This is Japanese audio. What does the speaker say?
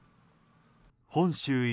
本州一